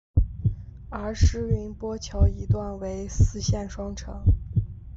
而师云砵桥一段为四线双程。